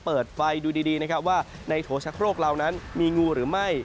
เปิดไฟดูดีนะครับว่าในโถชะโครกเรานั้นมีงูหรือไม่